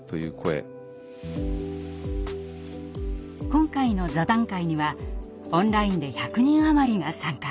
今回の座談会にはオンラインで１００人余りが参加。